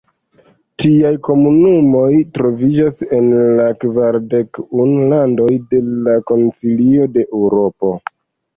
Tiaj komunumoj troviĝas en la kvardek unu landoj de la Konsilio de Eŭropo.